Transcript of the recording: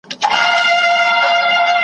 ما د قتل نوم دنيا ته دئ راوړى .